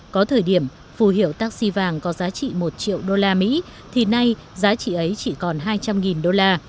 có thời điểm phù hiểu taxi vàng có giá trị một triệu đô la mỹ thì nay giá trị ấy chỉ còn hai trăm linh đô la